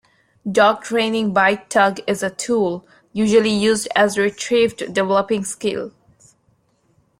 Dog training bite tug is a tool usually used as retrieve developing skills.